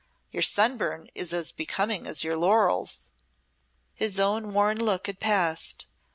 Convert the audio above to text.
Your sunburn is as becoming as your laurels." His own worn look had passed.